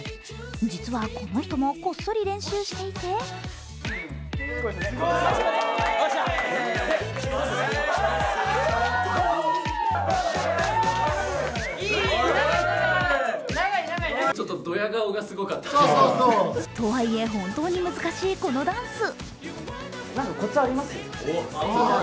実はこの人もこっそり練習していてとはいえ、本当に難しいこのダンス。